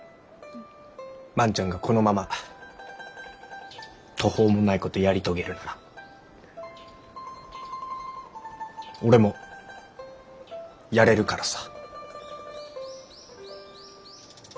万ちゃんがこのまま途方もないことやり遂げるなら俺もやれるからさ。